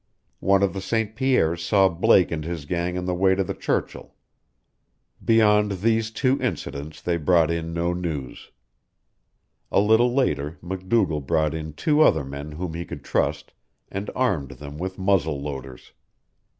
One of the St. Pierres saw Blake and his gang on the way to the Churchill. Beyond these two incidents they brought in no news. A little later MacDougall brought in two other men whom he could trust, and armed them with muzzle loaders.